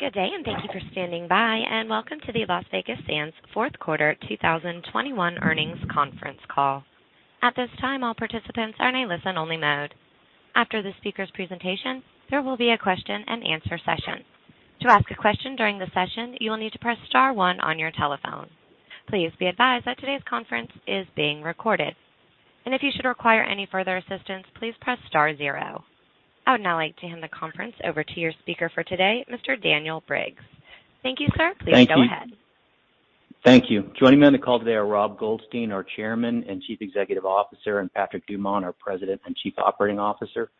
Good day, and thank you for standing by, and welcome to the Las Vegas Sands fourth quarter 2021 earnings conference call. At this time, all participants are in a listen-only mode. After the speaker's presentation, there will be a question-and-answer session. To ask a question during the session, you will need to press star one on your telephone. Please be advised that today's conference is being recorded. If you should require any further assistance, please press star zero. I would now like to hand the conference over to your speaker for today, Mr. Daniel Briggs. Thank you, sir. Please go ahead. Thank you. Joining me on the call today are Rob Goldstein, our Chairman and Chief Executive Officer, and Patrick Dumont, our President and Chief Operating Officer.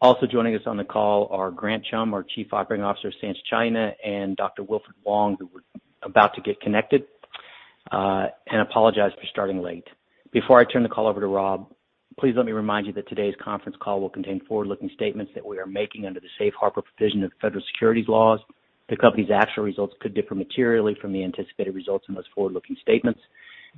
Also joining us on the call are Grant Chum, our Chief Operating Officer of Sands China, and Dr. Wilfred Wong, who are about to get connected. I apologize for starting late. Before I turn the call over to Rob, please let me remind you that today's conference call will contain forward-looking statements that we are making under the Safe Harbor provision of Federal Securities laws. The company's actual results could differ materially from the anticipated results in those forward-looking statements.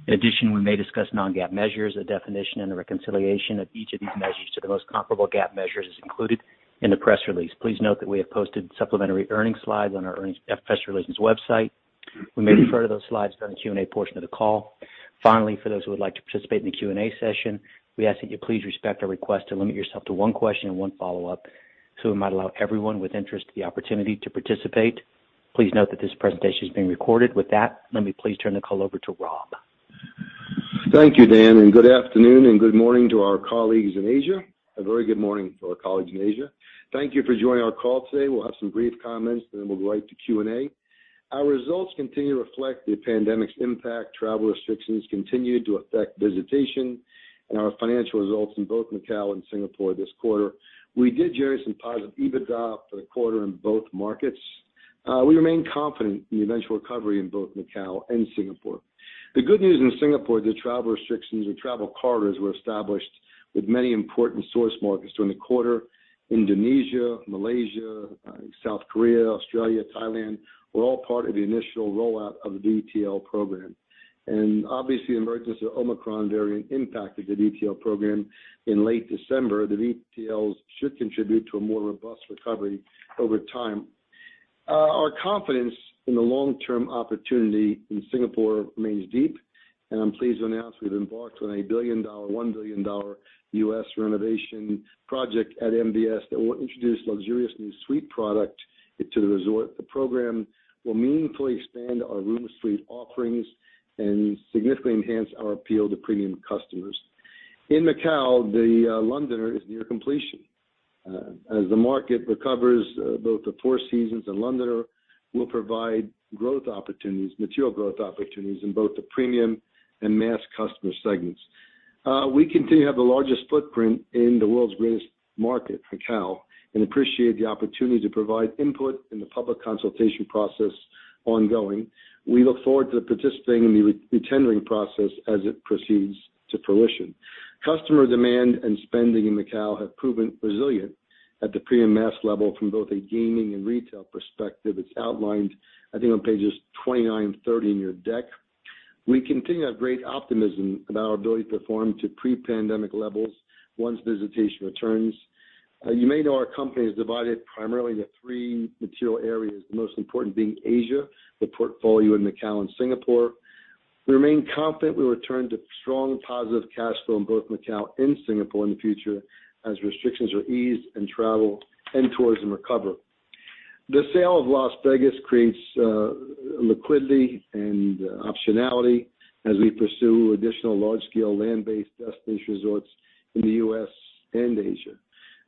In addition, we may discuss non-GAAP measures. A definition and a reconciliation of each of these measures to the most comparable GAAP measures is included in the press release. Please note that we have posted supplementary earnings slides on our earnings press relations website. We may refer to those slides during the Q&A portion of the call. Finally, for those who would like to participate in the Q&A session, we ask that you please respect our request to limit yourself to one question and one follow-up, so we might allow everyone with interest the opportunity to participate. Please note that this presentation is being recorded. With that, let me please turn the call over to Rob. Thank you, Dan, and good afternoon and good morning to our colleagues in Asia. A very good morning to our colleagues in Asia. Thank you for joining our call today. We'll have some brief comments, and then we'll go right to Q&A. Our results continue to reflect the pandemic's impact. Travel restrictions continued to affect visitation and our financial results in both Macao and Singapore this quarter. We did generate some positive EBITDA for the quarter in both markets. We remain confident in the eventual recovery in both Macao and Singapore. The good news in Singapore is that travel restrictions or travel corridors were established with many important source markets during the quarter. Indonesia, Malaysia, South Korea, Australia, Thailand were all part of the initial rollout of the VTL program. Obviously, the emergence of the Omicron variant impacted the VTL program in late December. The VTLs should contribute to a more robust recovery over time. Our confidence in the long-term opportunity in Singapore remains deep, and I'm pleased to announce we've embarked on a $1 billion U.S. renovation project at MBS that will introduce luxurious new suite product into the resort. The program will meaningfully expand our room and suite offerings and significantly enhance our appeal to premium customers. In Macao, The Londoner is near completion. As the market recovers, both the Four Seasons and The Londoner will provide growth opportunities, material growth opportunities in both the premium and mass customer segments. We continue to have the largest footprint in the world's greatest market, Macao, and appreciate the opportunity to provide input in the public consultation process ongoing. We look forward to participating in the re-tendering process as it proceeds to fruition. Customer demand and spending in Macao have proven resilient at the premium mass level from both a gaming and retail perspective. It's outlined, I think, on pages 29 and 30 in your deck. We continue to have great optimism about our ability to perform to pre-pandemic levels once visitation returns. You may know our company is divided primarily into three material areas, the most important being Asia, the portfolio in Macao and Singapore. We remain confident we'll return to strong positive cash flow in both Macao and Singapore in the future as restrictions are eased and travel and tourism recover. The sale of Las Vegas creates liquidity and optionality as we pursue additional large-scale land-based destination resorts in the U.S. and Asia.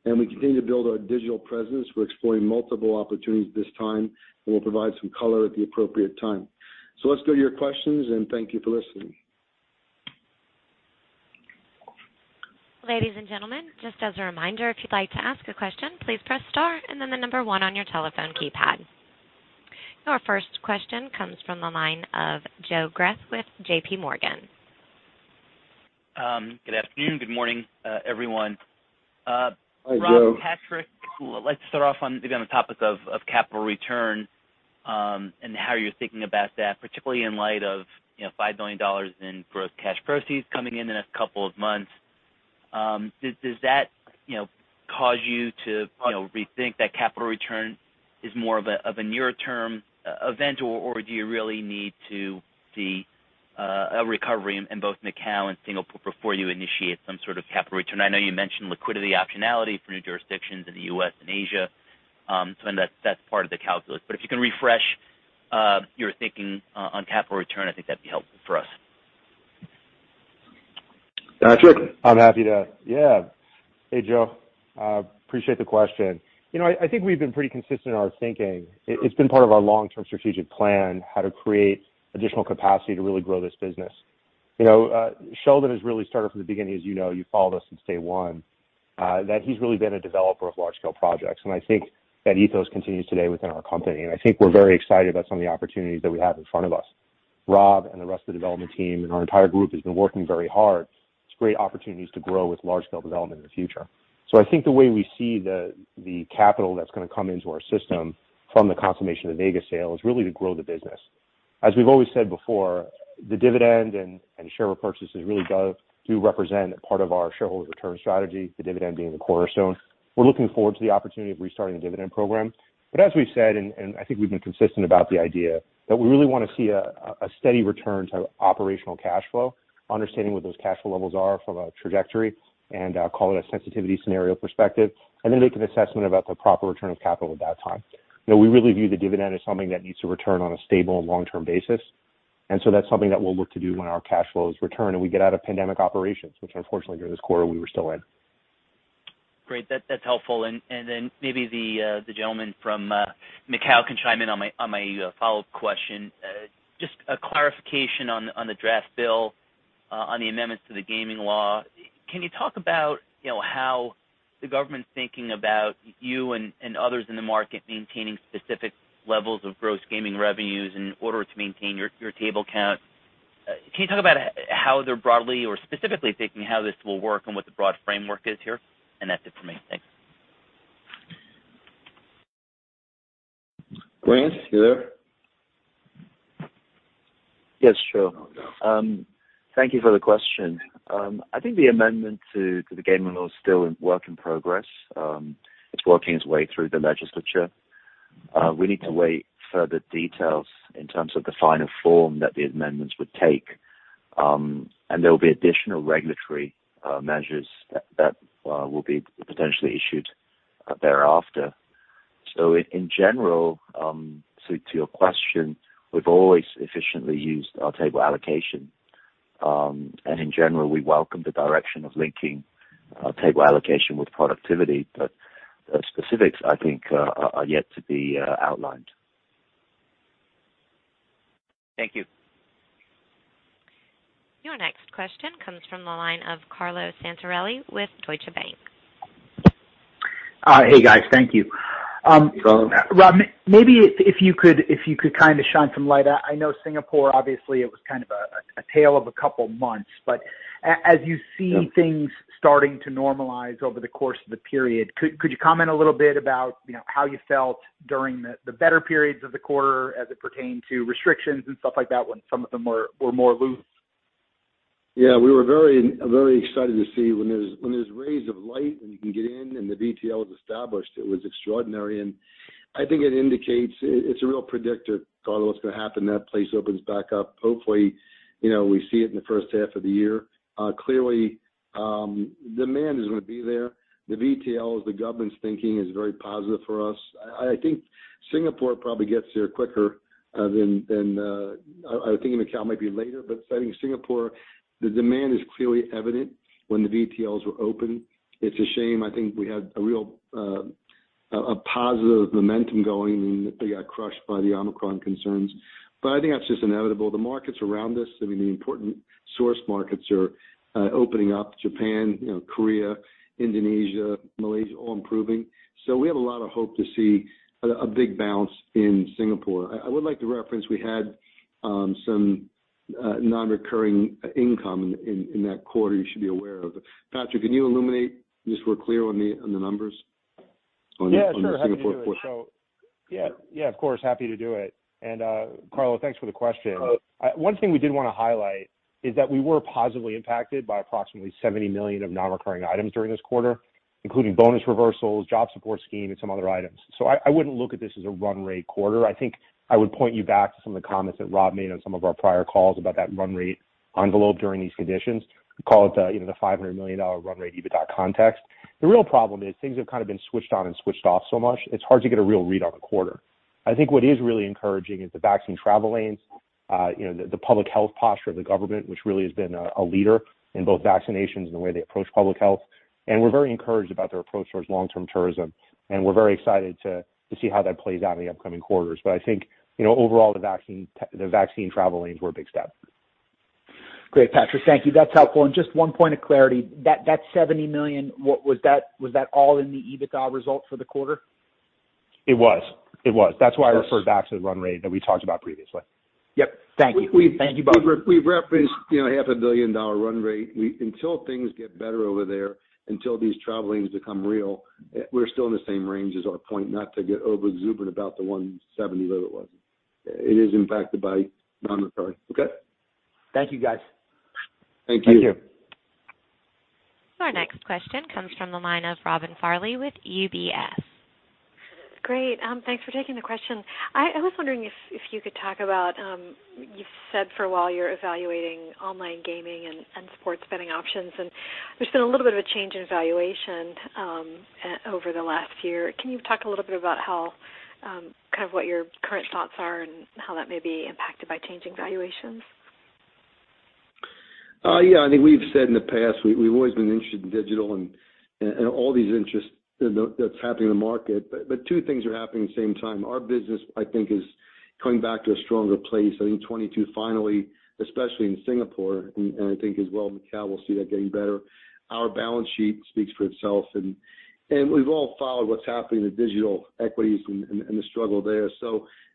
We continue to build our digital presence. We're exploring multiple opportunities at this time, and we'll provide some color at the appropriate time. Let's go to your questions, and thank you for listening. Ladies and gentlemen, just as a reminder, if you'd like to ask a question, please press star and then the number one on your telephone keypad. Your first question comes from the line of Joe Greff with JPMorgan. Good afternoon, good morning, everyone. Hi, Joe. Rob, Patrick, let's start off on the topic of capital return and how you're thinking about that, particularly in light of, you know, $5 billion in gross cash proceeds coming in in a couple of months. Does that, you know, cause you to rethink that capital return is more of a near-term event, or do you really need to see a recovery in both Macao and Singapore before you initiate some sort of capital return? I know you mentioned liquidity optionality for new jurisdictions in the U.S. and Asia, so I mean, that's part of the calculus. But if you can refresh your thinking on capital return, I think that'd be helpful for us. Patrick? I'm happy to. Yeah. Hey, Joe. Appreciate the question. You know, I think we've been pretty consistent in our thinking. It's been part of our long-term strategic plan, how to create additional capacity to really grow this business. You know, Sheldon has really started from the beginning, as you know, you followed us since day one, that he's really been a developer of large scale projects. I think that ethos continues today within our company. I think we're very excited about some of the opportunities that we have in front of us. Rob and the rest of the development team and our entire group has been working very hard to create opportunities to grow with large scale development in the future. I think the way we see the capital that's gonna come into our system from the consummation of the Vegas sale is really to grow the business. As we've always said before, the dividend and share repurchases really do represent part of our shareholder return strategy, the dividend being the cornerstone. We're looking forward to the opportunity of restarting the dividend program. As we've said, I think we've been consistent about the idea that we really wanna see a steady return to operational cash flow, understanding what those cash flow levels are from a trajectory and call it a sensitivity scenario perspective, and then make an assessment about the proper return of capital at that time. You know, we really view the dividend as something that needs to return on a stable and long-term basis. That's something that we'll look to do when our cash flows return, and we get out of pandemic operations, which unfortunately during this quarter we were still in. Great. That's helpful. Maybe the gentleman from Macao can chime in on my follow-up question. Just a clarification on the draft bill on the amendments to the gaming law. Can you talk about, you know, how the government's thinking about you and others in the market maintaining specific levels of gross gaming revenues in order to maintain your table count? Can you talk about how they're broadly or specifically thinking how this will work and what the broad framework is here? That's it for me. Thanks. Grant, you there? Yes, sure. Thank you for the question. I think the amendment to the gaming law is still a work in progress. It's working its way through the legislature. We need to wait for further details in terms of the final form that the amendments would take. There will be additional regulatory measures that will be potentially issued thereafter. In general, to your question, we've always efficiently used our table allocation. In general, we welcome the direction of linking table allocation with productivity. Specifics I think are yet to be outlined. Thank you. Your next question comes from the line of Carlo Santarelli with Deutsche Bank. Hey, guys. Thank you. Carlo. Rob, maybe if you could kind of shine some light. I know Singapore, obviously it was kind of a tale of a couple months. As you see things starting to normalize over the course of the period, could you comment a little bit about, you know, how you felt during the better periods of the quarter as it pertained to restrictions and stuff like that when some of them were more loose? Yeah. We were very, very excited to see when there's rays of light and you can get in and the VTL is established. It was extraordinary. I think it indicates it's a real predictor, Carlo, what's gonna happen when that place opens back up. Hopefully, you know, we see it in the first half of the year. Clearly, demand is gonna be there. The VTLs, the government's thinking is very positive for us. I think Singapore probably gets there quicker than I think Macao might be later. Citing Singapore, the demand is clearly evident when the VTLs were open. It's a shame. I think we had a real positive momentum going, and they got crushed by the Omicron concerns. I think that's just inevitable. The markets around us, I mean, the important source markets are opening up. Japan, you know, Korea, Indonesia, Malaysia, all improving. We have a lot of hope to see a big bounce in Singapore. I would like to reference, we had some non-recurring income in that quarter you should be aware of. Patrick, can you illuminate just so we're clear on the numbers on the Singapore quarter? Happy to do it. Carlo, thanks for the question. One thing we did want to highlight is that we were positively impacted by approximately $70 million of non-recurring items during this quarter, including bonus reversals, Jobs Support Scheme, and some other items. I wouldn't look at this as a run rate quarter. I think I would point you back to some of the comments that Rob made on some of our prior calls about that run rate envelope during these conditions. We call it the $500 million run rate EBITDA context. The real problem is things have kind of been switched on and switched off so much, it's hard to get a real read on the quarter. I think what is really encouraging is the vaccine travel lanes, you know, the public health posture of the government, which really has been a leader in both vaccinations and the way they approach public health. We're very encouraged about their approach towards long-term tourism. We're very excited to see how that plays out in the upcoming quarters. I think, you know, overall, the vaccine travel lanes were a big step. Great, Patrick. Thank you. That's helpful. Just one point of clarity, that $70 million, was that all in the EBITDA result for the quarter? It was. That's why I referred back to the run rate that we talked about previously. Yep. Thank you. Thank you both. We've referenced, you know, $500,000,000 run rate. Until things get better over there, until these travel lanes become real, we're still in the same range as our point, not to get overexuberant about the one $70 million that it was. It is impacted by non-recurring. Okay? Thank you, guys. Thank you. Thank you. Our next question comes from the line of Robin Farley with UBS. Great. Thanks for taking the question. I was wondering if you could talk about, you've said for a while you're evaluating online gaming and sports betting options, and there's been a little bit of a change in valuation over the last year. Can you talk a little bit about how kind of what your current thoughts are and how that may be impacted by changing valuations? Yeah. I think we've said in the past, we've always been interested in digital and all these interests, you know, that's happening in the market. Two things are happening at the same time. Our business, I think, is coming back to a stronger place. I think 2022 finally, especially in Singapore, and I think as well Macao will see that getting better. Our balance sheet speaks for itself, and we've all followed what's happening with digital equities and the struggle there.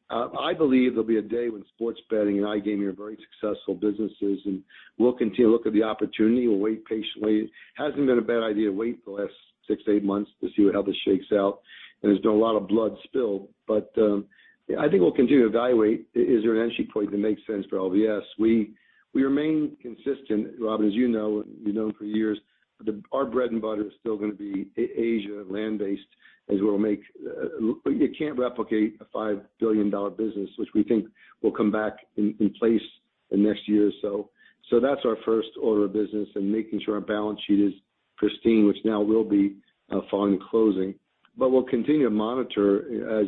I believe there'll be a day when sports betting and iGaming are very successful businesses, and we'll continue to look at the opportunity. We'll wait patiently. Hasn't been a bad idea to wait the last six to eight months to see how this shakes out, and there's been a lot of blood spilled. I think we'll continue to evaluate is there an entry point that makes sense for LVS. We remain consistent, Robin, as you know, we've known for years. Our bread and butter is still gonna be Asia land-based is what will make. You can't replicate a $5 billion business, which we think will come back in place in the next year or so. So that's our first order of business and making sure our balance sheet is pristine, which now will be following closing. We'll continue to monitor as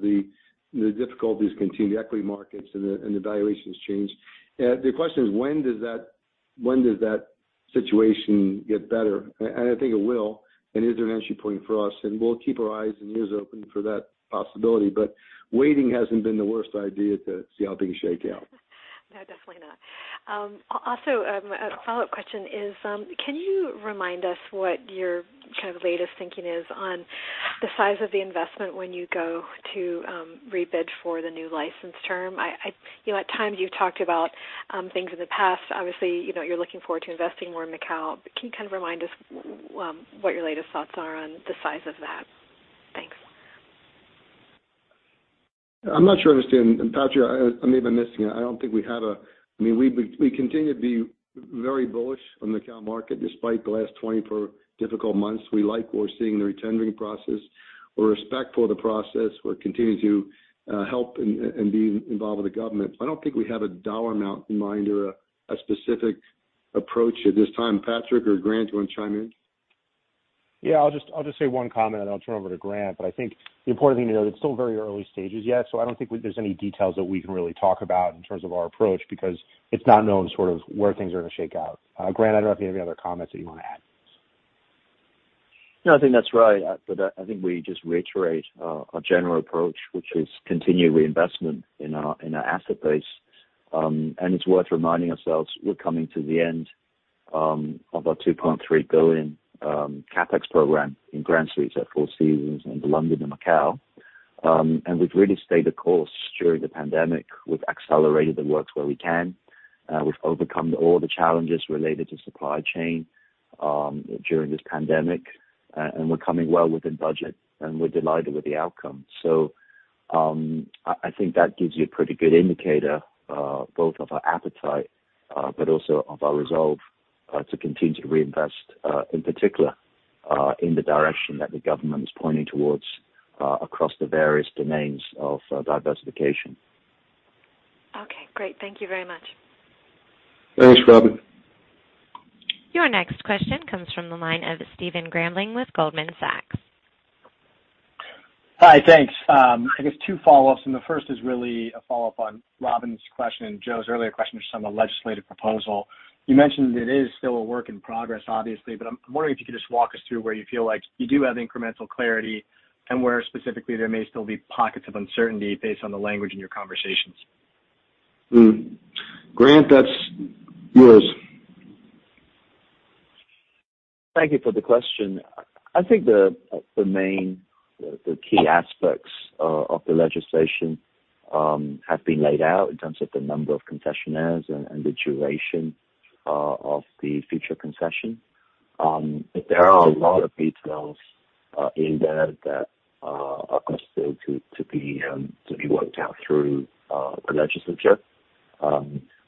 the difficulties continue, the equity markets and the valuations change. The question is when does that situation get better? I think it will, and is there an entry point for us? We'll keep our eyes and ears open for that possibility. Waiting hasn't been the worst idea to see how things shake out. No, definitely not. Also, a follow-up question is, can you remind us what your kind of latest thinking is on the size of the investment when you go to rebid for the new license term? You know, at times you've talked about things in the past. Obviously, you know, you're looking forward to investing more in Macao. Can you kind of remind us what your latest thoughts are on the size of that? Thanks. I'm not sure I understand. Patrick, I may have been missing it. I don't think we have. I mean, we continue to be very bullish on Macao market despite the last 24 difficult months. We like what we're seeing in the retendering process. We're respectful of the process. We're continuing to help and be involved with the government. I don't think we have a dollar amount in mind or a specific approach at this time. Patrick or Grant, do you wanna chime in? Yeah. I'll just say one comment, and then I'll turn over to Grant. I think the important thing to know is it's still very early stages yet, so I don't think there's any details that we can really talk about in terms of our approach, because it's not known sort of where things are gonna shake out. Grant, I don't know if you have any other comments that you wanna add. No, I think that's right. I think we just reiterate our general approach, which is continued reinvestment in our asset base. It's worth reminding ourselves we're coming to the end of our $2.3 billion CapEx program in Grand Suites at Four Seasons in The Londoner Macao. We've really stayed the course during the pandemic. We've accelerated the works where we can. We've overcome all the challenges related to supply chain during this pandemic. We're coming well within budget, and we're delighted with the outcome. I think that gives you a pretty good indicator both of our appetite but also of our resolve to continue to reinvest in particular in the direction that the government is pointing towards across the various domains of diversification. Okay, great. Thank you very much. Thanks, Robin. Your next question comes from the line of Stephen Grambling with Goldman Sachs. Hi, thanks. I guess two follow-ups, and the first is really a follow-up on Robin's question and Joe's earlier question just on the legislative proposal. You mentioned it is still a work in progress, obviously, but I'm wondering if you could just walk us through where you feel like you do have incremental clarity and where specifically there may still be pockets of uncertainty based on the language in your conversations. Grant, that's yours. Thank you for the question. I think the key aspects of the legislation have been laid out in terms of the number of concessionaires and the duration of the future concession. There are a lot of details in there that are still going to be worked out through the legislature.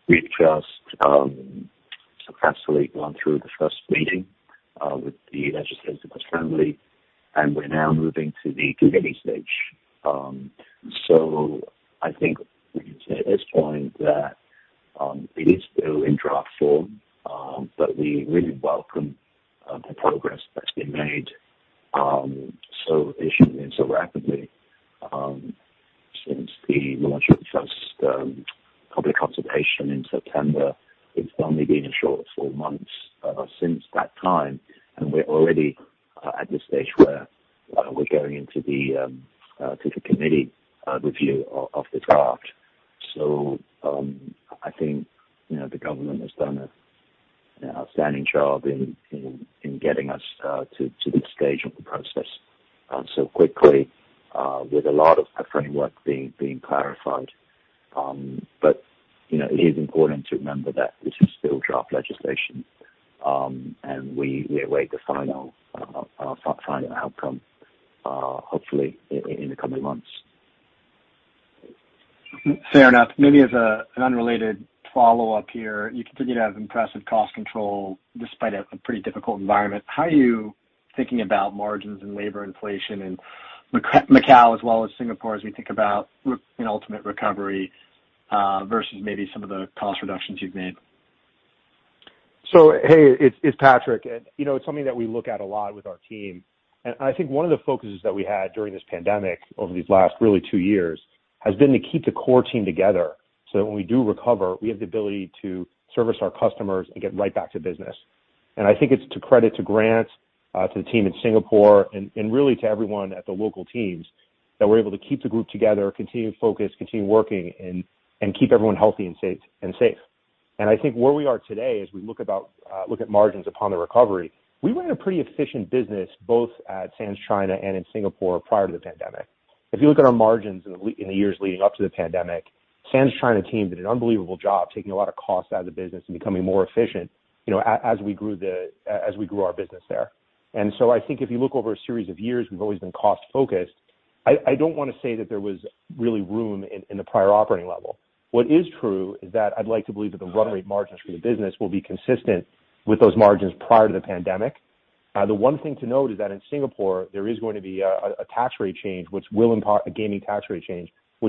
We've just successfully gone through the first reading with the Legislative Assembly, and we're now moving to the committee stage. I think we can say at this point that it is still in draft form, but we really welcome the progress that's been made in issuing so rapidly since the launch of the first public consultation in September. It's only been a short four months since that time, and we're already at the stage where we're going into the committee review of the draft. I think, you know, the government has done an outstanding job in getting us to this stage of the process so quickly, with a lot of the framework being clarified. You know, it is important to remember that this is still draft legislation. We await the final outcome, hopefully in the coming months. Fair enough. Maybe as an unrelated follow-up here, you continue to have impressive cost control despite a pretty difficult environment. How are you thinking about margins and labor inflation in Macao as well as Singapore as we think about an ultimate recovery versus maybe some of the cost reductions you've made? Hey, it's Patrick. You know, it's something that we look at a lot with our team. I think one of the focuses that we had during this pandemic over these last really two years has been to keep the core team together, so that when we do recover, we have the ability to service our customers and get right back to business. I think it's a credit to Grant, to the team in Singapore and really to everyone at the local teams that we're able to keep the group together, continue to focus, continue working and keep everyone healthy and safe. I think where we are today, as we look at margins upon the recovery, we run a pretty efficient business, both at Sands China and in Singapore prior to the pandemic. If you look at our margins in the years leading up to the pandemic, Sands China team did an unbelievable job taking a lot of costs out of the business and becoming more efficient, you know, as we grew our business there. I think if you look over a series of years, we've always been cost-focused. I don't wanna say that there was really room in the prior operating level. What is true is that I'd like to believe that the run rate margins for the business will be consistent with those margins prior to the pandemic. The one thing to note is that in Singapore, there is going to be a gaming tax rate change, which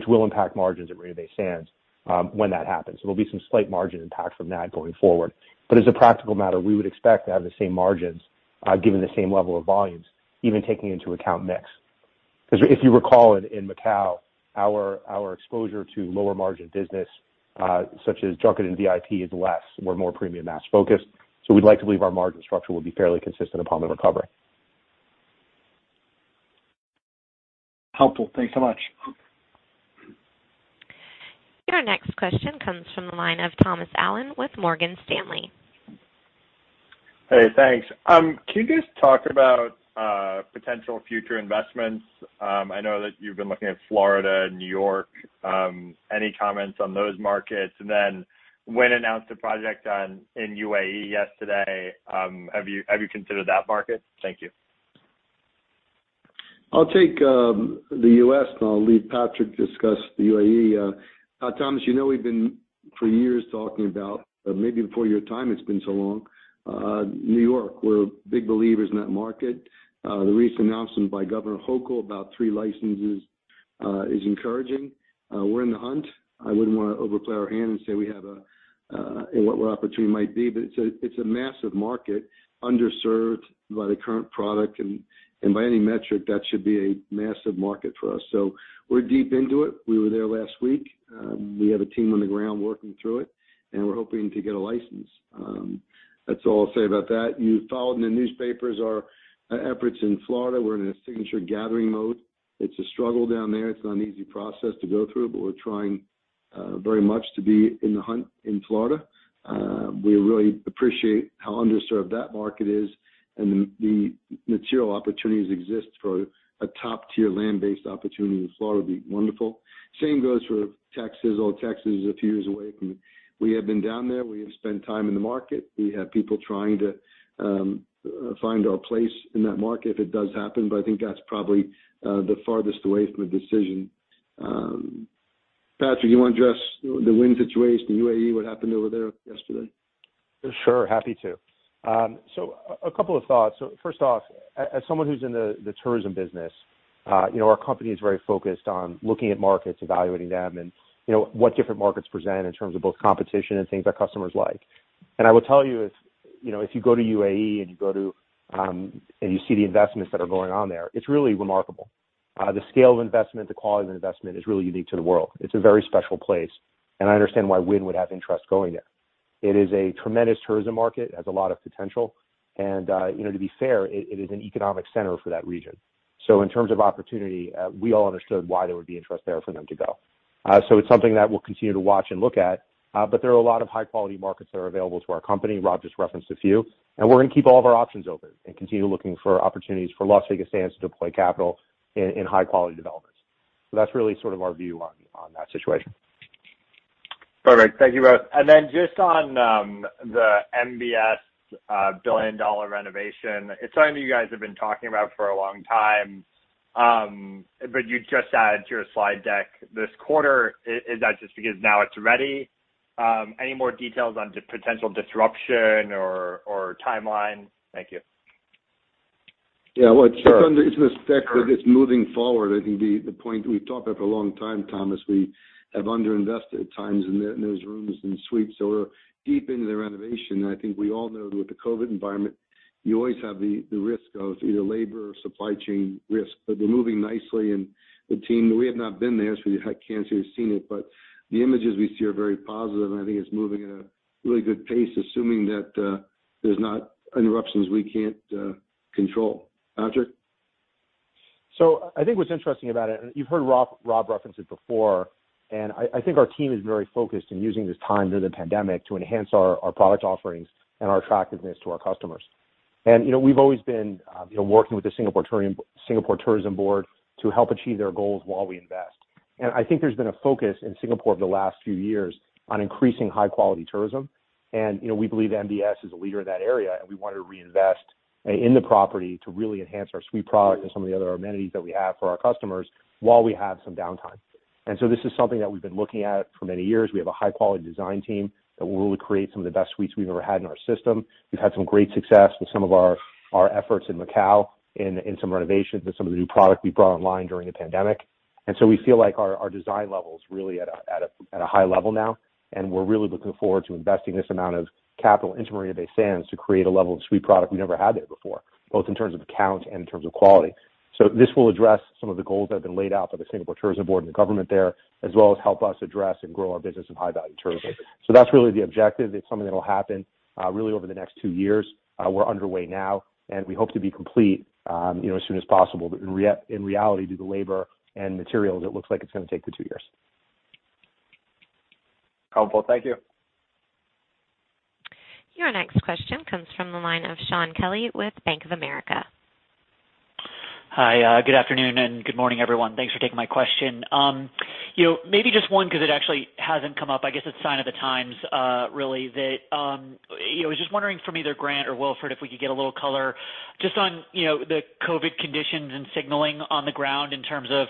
will impact margins at Marina Bay Sands, when that happens. There'll be some slight margin impact from that going forward. As a practical matter, we would expect to have the same margins, given the same level of volumes, even taking into account mix. Because if you recall in Macao, our exposure to lower margin business, such as junket and VIP is less. We're more premium mass focused, so we'd like to believe our margin structure will be fairly consistent upon the recovery. Helpful. Thanks so much. Your next question comes from the line of Thomas Allen with Morgan Stanley. Hey, thanks. Can you just talk about potential future investments? I know that you've been looking at Florida and New York. Any comments on those markets? Wynn announced a project in UAE yesterday. Have you considered that market? Thank you. I'll take the U.S., and I'll leave Patrick to discuss the UAE. Thomas, you know, we've been for years talking about, maybe before your time, it's been so long, New York. We're big believers in that market. The recent announcement by Governor Hochul about three licenses is encouraging. We're in the hunt. I wouldn't wanna overplay our hand and say we have a what our opportunity might be, but it's a massive market, underserved by the current product. By any metric, that should be a massive market for us. We're deep into it. We were there last week. We have a team on the ground working through it, and we're hoping to get a license. That's all I'll say about that. You followed in the newspapers our efforts in Florida. We're in a signature gathering mode. It's a struggle down there. It's not an easy process to go through, but we're trying very much to be in the hunt in Florida. We really appreciate how underserved that market is and the material opportunities exist for a top-tier land-based opportunity in Florida would be wonderful. Same goes for Texas, although Texas is a few years away from it. We have been down there. We have spent time in the market. We have people trying to find our place in that market if it does happen, but I think that's probably the farthest away from a decision. Patrick, you wanna address the Wynn situation, the UAE, what happened over there yesterday? Sure. Happy to. A couple of thoughts. First off, as someone who's in the tourism business, you know, our company is very focused on looking at markets, evaluating them and, you know, what different markets present in terms of both competition and things our customers like. I will tell you, if you know, if you go to UAE and you see the investments that are going on there, it's really remarkable. The scale of investment, the quality of investment is really unique to the world. It's a very special place, and I understand why Wynn would have interest going there. It is a tremendous tourism market, has a lot of potential. You know, to be fair, it is an economic center for that region. In terms of opportunity, we all understood why there would be interest there for them to go. It's something that we'll continue to watch and look at. There are a lot of high-quality markets that are available to our company. Rob just referenced a few. We're gonna keep all of our options open and continue looking for opportunities for Las Vegas Sands to deploy capital in high-quality developments. That's really sort of our view on that situation. Perfect. Thank you both. Then just on the MBS billion-dollar renovation, it's something you guys have been talking about for a long time, but you just added to your slide deck this quarter. Is that just because now it's ready? Any more details on the potential disruption or timeline? Thank you. Yeah, well, it's in the stack of this moving forward. I think the point we've talked about for a long time, Thomas, we have underinvested at times in those rooms and suites. We're deep into the renovation. I think we all know with the COVID environment, you always have the risk of either labor or supply chain risk. They're moving nicely and the team. We have not been there, so we, I can't say we've seen it, but the images we see are very positive, and I think it's moving at a really good pace, assuming that there's not interruptions we can't control. Patrick? I think what's interesting about it, and you've heard Rob reference it before, and I think our team is very focused in using this time during the pandemic to enhance our product offerings and our attractiveness to our customers. You know, we've always been working with the Singapore Tourism Board to help achieve their goals while we invest. I think there's been a focus in Singapore over the last few years on increasing high-quality tourism. You know, we believe MBS is a leader in that area, and we wanted to reinvest in the property to really enhance our suite product and some of the other amenities that we have for our customers while we have some downtime. This is something that we've been looking at for many years. We have a high-quality design team that will really create some of the best suites we've ever had in our system. We've had some great success with some of our efforts in Macao in some renovations and some of the new product we brought online during the pandemic. We feel like our design level is really at a high level now, and we're really looking forward to investing this amount of capital into Marina Bay Sands to create a level of suite product we never had there before, both in terms of count and in terms of quality. This will address some of the goals that have been laid out by the Singapore Tourism Board and the government there, as well as help us address and grow our business in high-value tourism. That's really the objective. It's something that'll happen really over the next two years. We're underway now, and we hope to be complete, you know, as soon as possible. In reality, due to labor and materials, it looks like it's gonna take the two years. Helpful. Thank you. Your next question comes from the line of Shaun Kelley with Bank of America. Hi, good afternoon and good morning, everyone. Thanks for taking my question. You know, maybe just one, because it actually hasn't come up. I guess it's a sign of the times, really, that, you know, I was just wondering from either Grant or Wilfred if we could get a little color just on, you know, the COVID conditions and signaling on the ground in terms of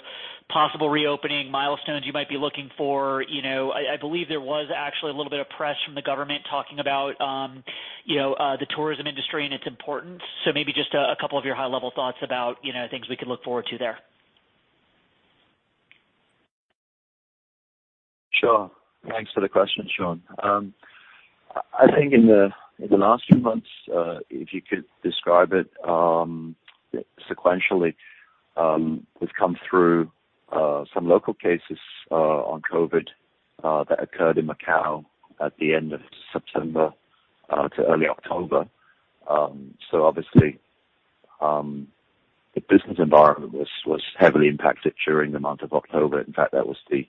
possible reopening milestones you might be looking for. You know, I believe there was actually a little bit of press from the government talking about, you know, the tourism industry and its importance. Maybe just a couple of your high-level thoughts about, you know, things we could look forward to there. Sure. Thanks for the question, Shaun. I think in the last few months, if you could describe it sequentially, we've come through some local cases on COVID that occurred in Macao at the end of September to early October. So obviously, the business environment was heavily impacted during the month of October. In fact, that was the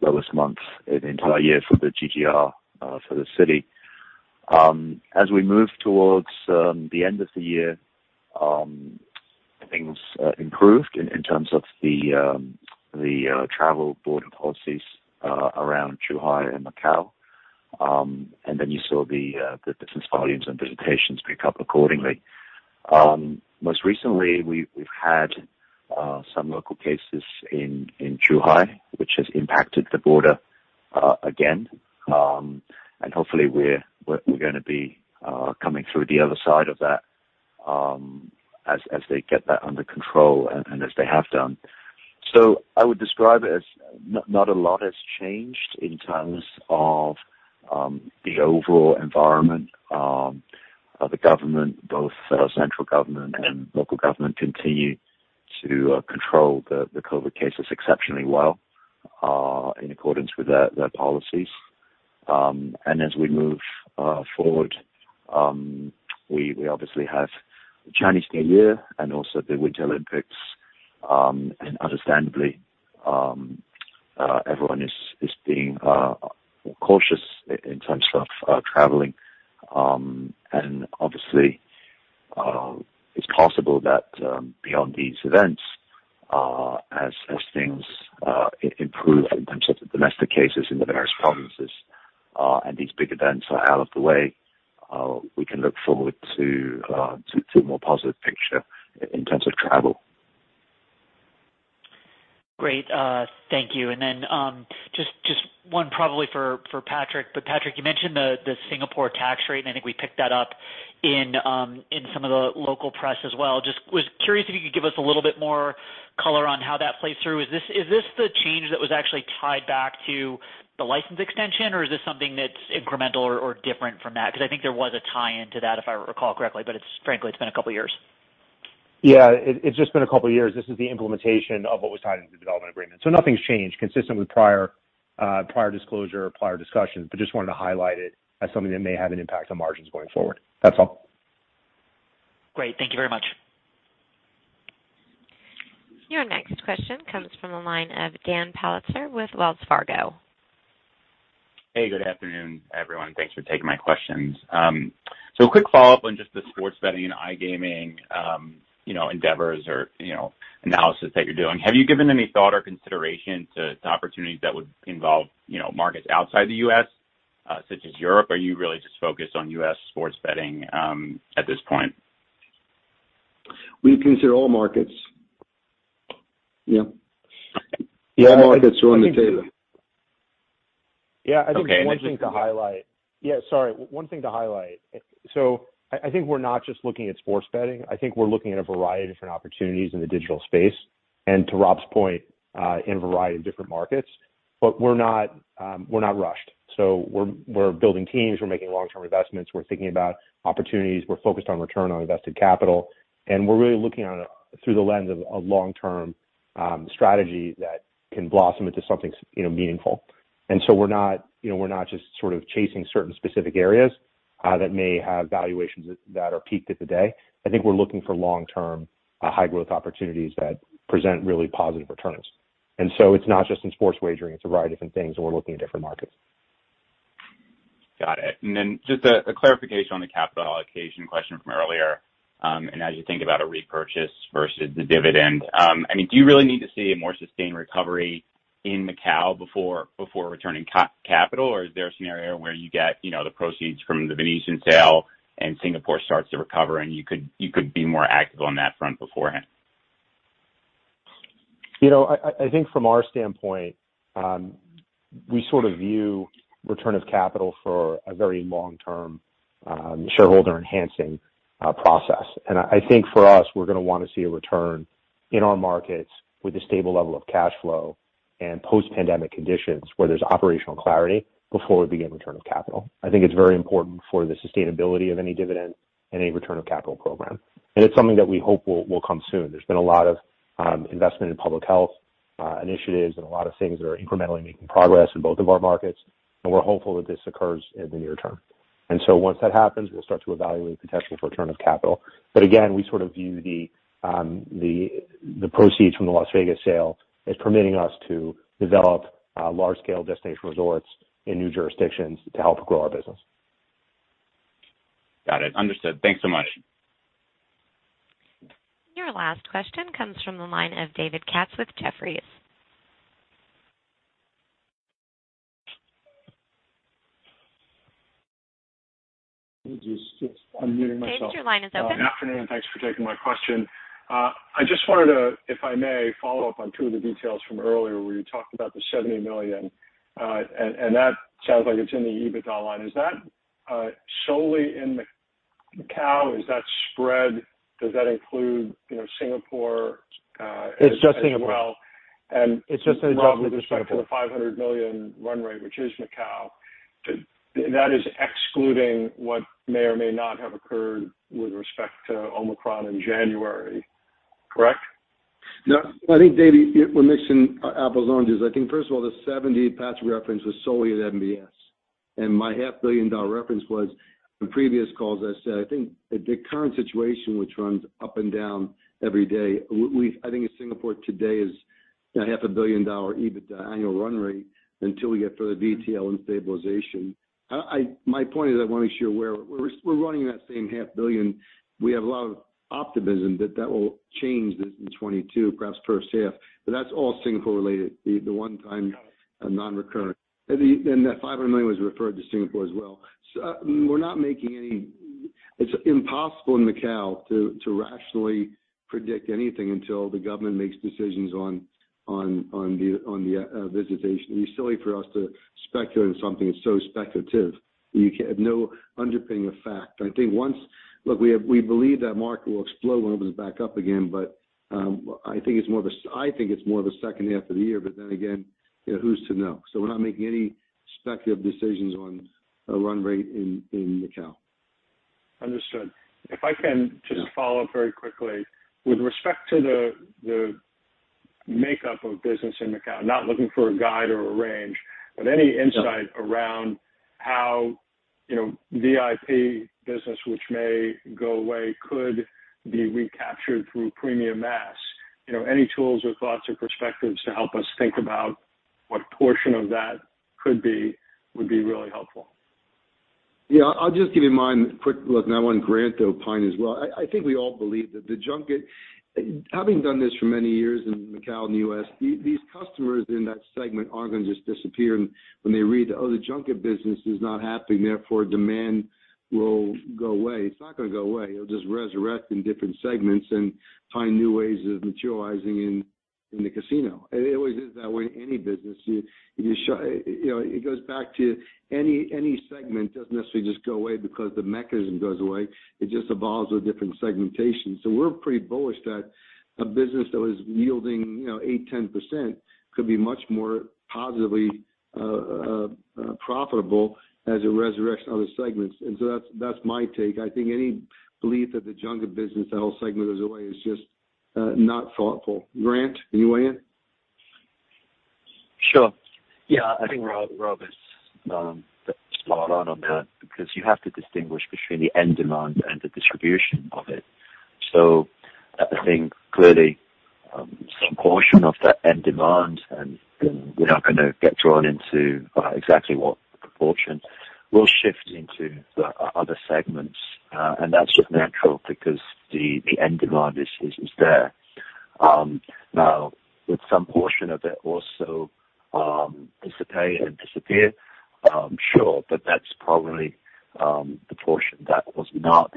lowest month in the entire year for the GGR for the city. As we moved towards the end of the year, things improved in terms of the travel border policies around Zhuhai and Macao. And then you saw the business volumes and visitations pick up accordingly. Most recently, we've had some local cases in Zhuhai, which has impacted the border again. Hopefully we're gonna be coming through the other side of that, as they get that under control and as they have done. I would describe it as not a lot has changed in terms of the overall environment. The government, both Central Government and local government, continue to control the COVID cases exceptionally well, in accordance with their policies. As we move forward, we obviously have Chinese New Year and also the Winter Olympics. Understandably, everyone is being cautious in terms of traveling. Obviously, it's possible that beyond these events, as things improve in terms of the domestic cases in the various provinces and these big events are out of the way, we can look forward to a more positive picture in terms of travel. Great. Thank you. Just one, probably for Patrick. Patrick, you mentioned the Singapore tax rate, and I think we picked that up in some of the local press as well. I was just curious if you could give us a little bit more color on how that plays through. Is this the change that was actually tied back to the license extension, or is this something that's incremental or different from that? Because I think there was a tie-in to that, if I recall correctly. It's frankly been a couple of years. Yeah. It's just been a couple of years. This is the implementation of what was tied into the development agreement. Nothing's changed consistent with prior disclosure or prior discussions, but just wanted to highlight it as something that may have an impact on margins going forward. That's all. Great. Thank you very much. Your next question comes from the line of Dan Politzer with Wells Fargo. Hey, good afternoon, everyone. Thanks for taking my questions. A quick follow-up on just the sports betting and iGaming, you know, endeavors or, you know, analysis that you're doing. Have you given any thought or consideration to opportunities that would involve, you know, markets outside the U.S., such as Europe? Are you really just focused on U.S. sports betting at this point? We consider all markets. Yeah. Yeah, I think. All markets are on the table. Yeah. I think one thing to highlight. Okay. Yeah, sorry. One thing to highlight. I think we're not just looking at sports betting. I think we're looking at a variety of different opportunities in the digital space and to Rob's point, in a variety of different markets. We're not rushed. We're building teams, we're making long-term investments. We're thinking about opportunities. We're focused on return on invested capital, and we're really looking on it through the lens of long-term strategy that can blossom into something you know, meaningful. We're not just sort of chasing certain specific areas that may have valuations that are peaked at the day. I think we're looking for long-term high growth opportunities that present really positive returns. It's not just in sports wagering, it's a variety of different things, and we're looking at different markets. Got it. Just a clarification on the capital allocation question from earlier. As you think about a repurchase versus the dividend, I mean, do you really need to see a more sustained recovery in Macao before returning capital? Is there a scenario where you get, you know, the proceeds from The Venetian sale and Singapore starts to recover and you could be more active on that front beforehand? You know, I think from our standpoint, we sort of view return of capital for a very long-term shareholder enhancing process. I think for us, we're gonna wanna see a return in our markets with a stable level of cash flow and post-pandemic conditions where there's operational clarity before we begin return of capital. I think it's very important for the sustainability of any dividend and any return of capital program. It's something that we hope will come soon. There's been a lot of investment in public health initiatives and a lot of things that are incrementally making progress in both of our markets, and we're hopeful that this occurs in the near term. Once that happens, we'll start to evaluate potential for return of capital. Again, we sort of view the proceeds from the Las Vegas sale as permitting us to develop large-scale destination resorts in new jurisdictions to help grow our business. Got it. Understood. Thanks so much. Your last question comes from the line of David Katz with Jefferies. Let me just-- unmuting myself. David, your line is open. Afternoon, thanks for taking my question. I just wanted to, if I may, follow up on two of the details from earlier where you talked about the $70 million, and that sounds like it's in the EBITDA line. Is that solely in Macao? Is that spread, does that include, you know, Singapore? It's just Singapore. As well? It's just in Singapore. Roughly the same for the $500 million run rate, which is Macao. That is excluding what may or may not have occurred with respect to Omicron in January, correct? No. I think, David, you're mixing apples and oranges. I think first of all, the 70% reference was solely at MBS. My $500,000,000 reference was from previous calls I said, I think the current situation, which runs up and down every day. I think Singapore today is a $500,000,000 EBITDA annual run rate until we get further VTL and stabilization. My point is I wanna make sure we're running that same half billion. We have a lot of optimism that that will change this in 2022, perhaps first half. That's all Singapore related, the one time- Got it. non-recurrent. That $500 million was referred to Singapore as well. We're not making any. It's impossible in Macao to rationally predict anything until the government makes decisions on the visitation. It'd be silly for us to speculate on something that's so speculative. You can have no underpinning of fact. We believe that market will explode when it opens back up again. I think it's more the second half of the year. But then again, you know, who's to know? We're not making any speculative decisions on a run rate in Macao. Understood. If I can just follow up very quickly. With respect to the makeup of business in Macao, not looking for a guide or a range, but any insight. Yeah. Around how, you know, VIP business which may go away could be recaptured through premium mass. You know, any tools or thoughts or perspectives to help us think about what portion of that could be, would be really helpful. Yeah. I'll just give you mine. Quick look. I want Grant to opine as well. I think we all believe that the junket... Having done this for many years in Macao, in the U.S., these customers in that segment aren't gonna just disappear and when they read, "Oh, the junket business is not happening, therefore demand will go away." It's not gonna go away. It'll just resurrect in different segments and find new ways of materializing in the casino. It always is that way in any business. You know, it goes back to any segment doesn't necessarily just go away because the mechanism goes away. It just evolves with different segmentation. We're pretty bullish that a business that was yielding, you know, 8%-10% could be much more positively profitable as it resurrects other segments. That's my take. I think any belief that the junket business, that whole segment goes away, is just not thoughtful. Grant, can you weigh in? Sure. Yeah. I think Rob is spot on on that because you have to distinguish between the end demand and the distribution of it. I think clearly some portion of that end demand, and we're not gonna get drawn into exactly what proportion, will shift into the other segments. That's just natural because the end demand is there. Now did some portion of it also dissipate and disappear? Sure. That's probably the portion that was not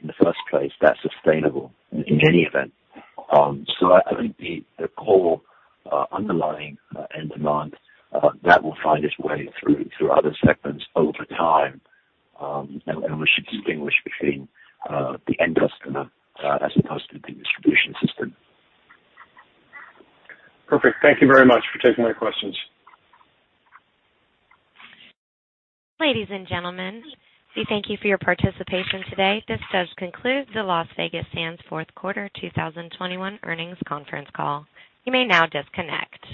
in the first place that sustainable in any event. I think the core underlying end demand that will find its way through other segments over time. We should distinguish between the end customer as opposed to the distribution system. Perfect. Thank you very much for taking my questions. Ladies and gentlemen, we thank you for your participation today. This does conclude the Las Vegas Sands fourth quarter 2021 earnings conference call. You may now disconnect.